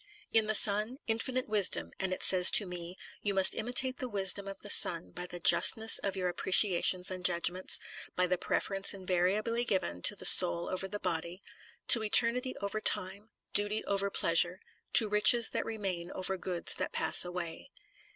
In the Son, infinite wisdom, and it says to me: You must imitate the wisdom of the Son, by the justness of your appreciations and judgments ; by the preference invariably given to the soul over the body, to eternity In the Nineteenth Century. 283 over time, duty over pleasure, to riches that remain over goods that pass away.